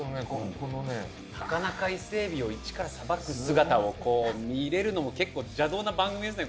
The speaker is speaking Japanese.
このねなかなか伊勢海老を一からさばく姿を見れるのも結構邪道な番組ですね